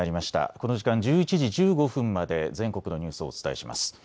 この時間、１１時１５分まで全国のニュースをお伝えします。